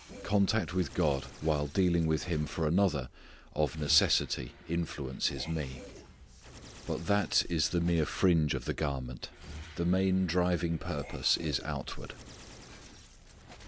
Contact with God while dealing with Him for another of necessity influences me. But that is the mere fringe of the garment. The main driving purpose is outward.